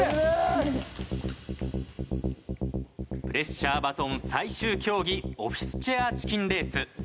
プレッシャーバトン最終競技オフィスチェア・チキンレース。